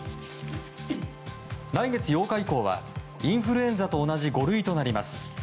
来月８日以降はインフルエンザと同じ５類となります。